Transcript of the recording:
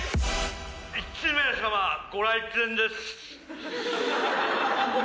１名様ご来店です。